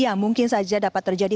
yang mungkin saja dapat terjadi